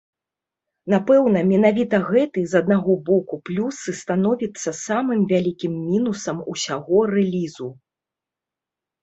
Напэўна, менавіта гэты, з аднаго боку, плюс і становіцца самым вялікім мінусам усяго рэлізу.